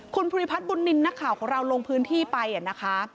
คุณภูริพัฒน์บุญนินทร์นักข่าวของเราลงพื้นที่ไปนะคะ